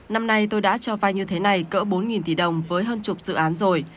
năm nay tôi đã cho vay như thế này cỡ bốn tỷ đồng với hơn chục dự án rồi